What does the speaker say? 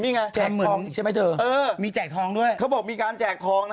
นี่ไงแจกทองอีกใช่ไหมเธอเออมีแจกทองด้วยเขาบอกมีการแจกทองนะ